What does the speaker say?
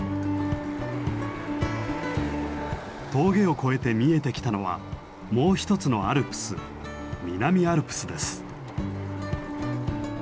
峠を越えて見えてきたのはもう一つのアルプス南アルプスです。